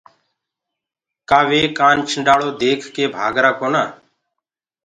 ڪآ وي سوپيري ديک ڪي ڀآگرآ ڪونآ۔